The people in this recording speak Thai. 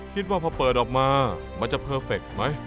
คิดว่าพอเปิดออกมามันจะเพอร์เฟคไหม